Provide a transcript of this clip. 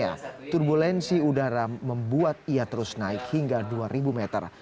ya turbulensi udara membuat ia terus naik hingga dua ribu meter